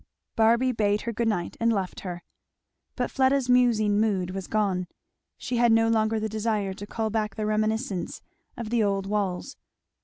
Barby bade her good night and left her. But Fleda's musing mood was gone. She had no longer the desire to call back the reminiscences of the old walls.